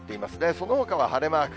そのほかは晴れマーク。